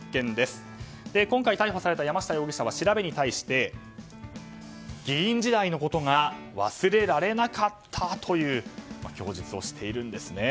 今回逮捕された山下容疑者は調べに対して、議員時代のことが忘れられなかったという供述をしているんですね。